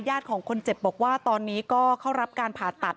ของคนเจ็บบอกว่าตอนนี้ก็เข้ารับการผ่าตัด